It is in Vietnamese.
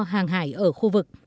hàng hải ở khu vực